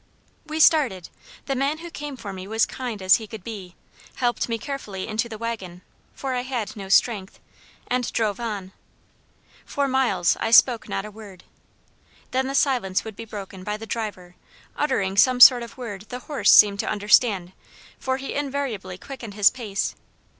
"We started. The man who came for me was kind as he could be, helped me carefully into the wagon, (for I had no strength,) and drove on. For miles I spoke not a word. Then the silence would be broken by the driver uttering some sort of word the horse seemed to understand; for he invariably quickened his pace.